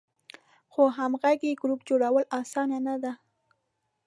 خو همغږی ګروپ جوړول آسانه نه ده.